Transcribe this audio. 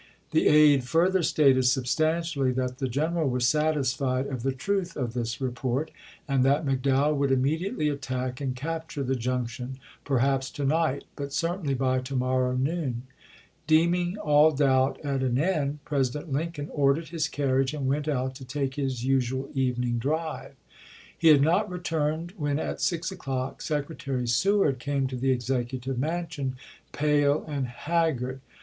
The aide further stated substantially that the general was satisfied of the truth of this report, and that McDowell would immediately attack and capture the Junction, perhaps to night, but cer tainly by to morrow noon. Deeming all doubt at an end. President Lincoln ordered his carriage and went out to take his usual evening di'ive. He had not returned when, at six o'clock. Sec retary Seward came to the Executive Mansion, pale and haggard.